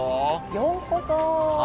ようこそ。